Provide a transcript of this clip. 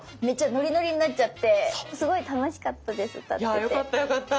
いやよかったよかった。